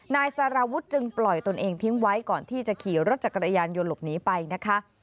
นายสารวุฒิจึงปล่อยตนเองทิ้งไว้ก่อนที่จะขี่รถจักรยานยนต์หลบหนีไปนะคะ